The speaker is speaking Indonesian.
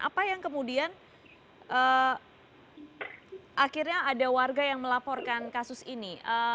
apa yang kemudian akhirnya ada warga yang melaporkan kasus ini